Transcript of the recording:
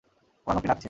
ও আমাকে ডাকছে।